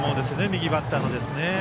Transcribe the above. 右バッターの場合。